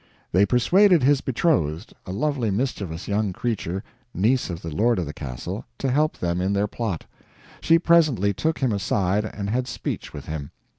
They persuaded his betrothed, a lovely mischievous young creature, niece of the lord of the castle, to help them in their plot. She presently took him aside and had speech with him.